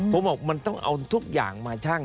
ผมบอกมันต้องเอาทุกอย่างมาชั่ง